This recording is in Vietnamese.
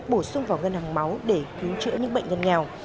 bổ sung vào ngân hàng máu để cứu chữa những bệnh nhân nghèo